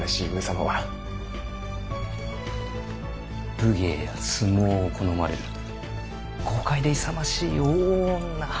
武芸や相撲を好まれる豪快で勇ましい大女。